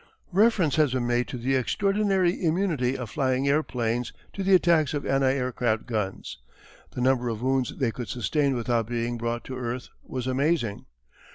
_] Reference has been made to the extraordinary immunity of flying airplanes to the attacks of anti aircraft guns. The number of wounds they could sustain without being brought to earth was amazing.